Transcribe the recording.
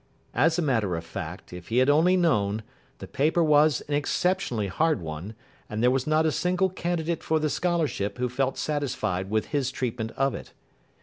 As a matter of fact, if he had only known, the paper was an exceptionally hard one, and there was not a single candidate for the scholarship who felt satisfied with his treatment of it.